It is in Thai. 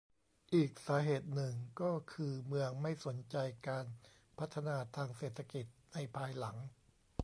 อีกสาเหตุหนึ่งก็คือเมืองไม่สนใจการพัฒนาทางเศรษฐกิจในภายหลัง